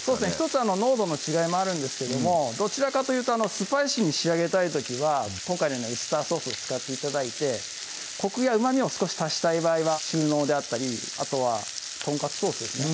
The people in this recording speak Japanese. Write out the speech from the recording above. １つ濃度の違いもあるんですけどもどちらかというとスパイシーに仕上げたい時は今回のようなウスターソースを使って頂いてコクやうまみを少し足したい場合は中濃であったりあとはとんかつソースですね